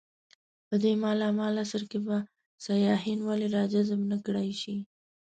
په دې مالامال عصر کې به سیاحین ولې راجذب نه کړای شي.